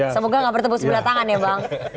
semoga gak bertemu sebelah tangan ya bang